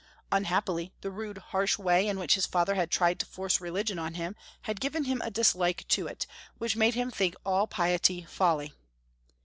Unhappily, the rude, harsh way in which his fathei had tried to force religion on him had given him a dislike to it, which made him think all piety folly.